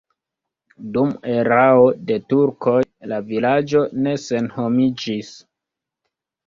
Dum erao de turkoj la vilaĝo ne senhomiĝis.